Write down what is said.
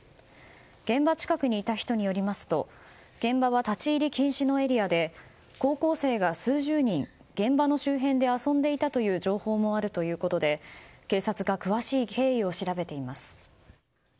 現場近くにいた人によりますと現場は、立ち入り禁止のエリアで高校生が数十人、現場の周辺で遊んでいたという情報もあるということで警察が詳しい経緯を調べています。